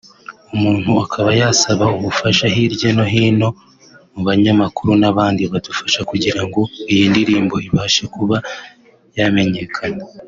umuntu akaba yasaba ubufasha hirya no hino mu banyamakuru n’abandi badufasha kugirango iyi ndirimbo ibashe kuba yamenyekana”